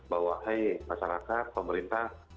bahwa hei masyarakat pemerintah